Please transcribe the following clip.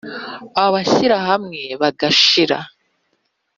abashyirahamwe bagashira